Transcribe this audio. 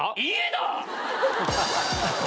「いいえ」だ！